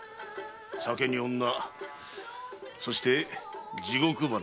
酒に女そして地獄花が一番だ。